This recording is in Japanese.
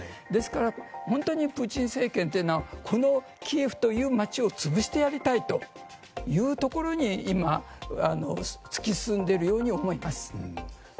ですからプーチン政権というのはキエフという街を潰してやりたいというところに今、突き進んでいるように思います。